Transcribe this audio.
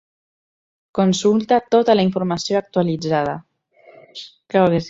Consulta tota la informació actualitzada.